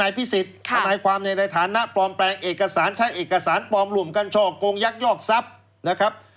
พิสิทธิ์ทนายความในฐานะปลอมแปลงเอกสารใช้เอกสารปลอมร่วมกันช่อกงยักยอกทรัพย์นะครับ